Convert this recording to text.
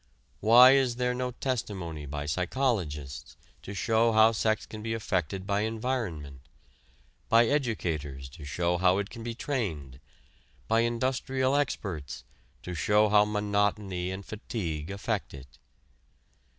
Why is there no testimony by psychologists to show how sex can be affected by environment, by educators to show how it can be trained, by industrial experts to show how monotony and fatigue affect it?